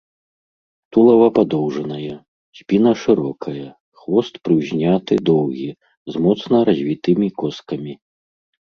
Тулава падоўжанае, спіна шырокая, хвост прыўзняты, доўгі, з моцна развітымі коскамі.